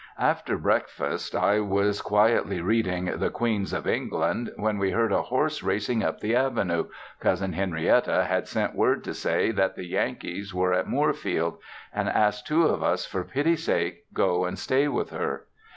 After breakfast I was quietly reading "The Queens of England," when we heard a horse racing up the avenue, Cousin Henrietta had sent word to say that the Yankees were at Moorfield, and asked two of us for pity sake go and stay with her.